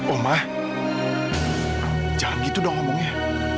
omah jangan gitu dong omongnya